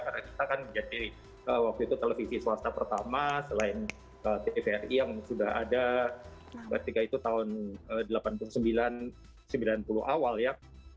karena kita kan menjadi waktu itu televisi swasta pertama selain tvri yang sudah ada ketika itu tahun delapan puluh sembilan sembilan puluh awal ya